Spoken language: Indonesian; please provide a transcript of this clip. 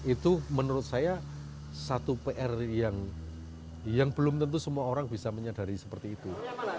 itu menurut saya satu pr yang belum tentu semua orang bisa menyadari seperti itu